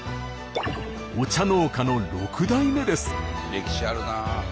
歴史あるな！